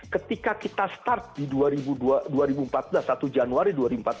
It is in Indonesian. ketika kita start di dua ribu empat belas atau januari dua ribu empat belas